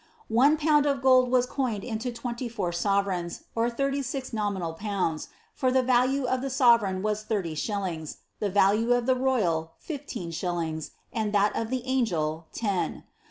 One pound of gold was coined into twenty four sovereigns, or thirty six nominal pounds, for the value of the sovereign was thirty shillings, the value of the royaK fifteen shillings, and tliat of the angel, ten.